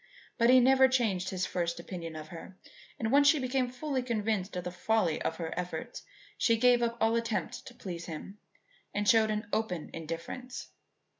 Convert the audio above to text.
But he never changed his first opinion of her, and once she became fully convinced of the folly of her efforts, she gave up all attempt to please him and showed an open indifference.